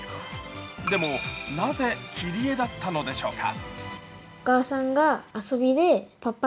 でも、なぜ切り絵だったのでしょうか。